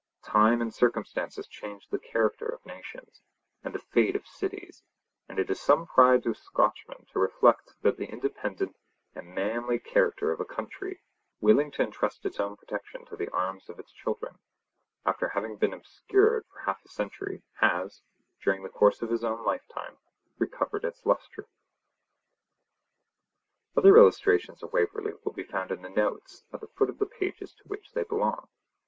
Time and circumstances change the character of nations and the fate of cities; and it is some pride to a Scotchman to reflect that the independent and manly character of a country, willing to entrust its own protection to the arms of its children, after having been obscured for half a century, has, during the course of his own lifetime, recovered its lustre. Other illustrations of Waverley will be found in the Notes at the foot of the pages to which they belong.